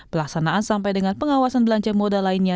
pelaksanaan sampai dengan pengawasan belanja modal lainnya